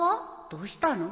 どうしたの？